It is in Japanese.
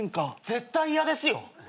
絶対嫌ですよ。